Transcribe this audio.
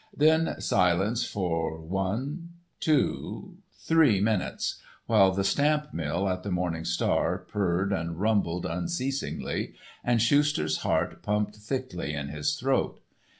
Then silence for one—two—three minutes, while the stamp mill at the Morning Star purred and rumbled unceasingly and Schuster's heart pumped thickly in his throat.